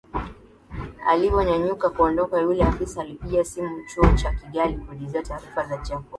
Alivonyanyuka kuondoka yule afisa alipiga simu chuo cha Kigali kulizia taarifa za Jacob